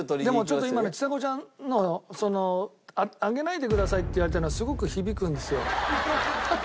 ちょっと今のちさ子ちゃんのその「あげないでください」って言われたのがすごく響くんですよ。